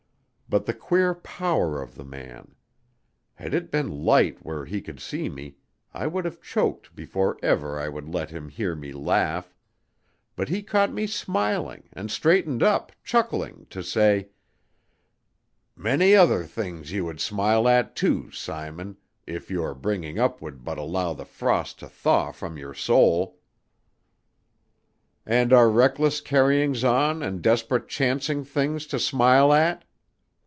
But the queer power of the man! Had it been light where he could see me, I would have choked before ever I would let him hear me laugh; but he caught me smiling and straightened up, chuckling, to say: "Many other things you would smile at, too, Simon, if your bringing up would but allow the frost to thaw from your soul." "And are reckless carryings on and desperate chancing things to smile at?"